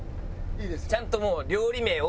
ちゃんともう料理名を。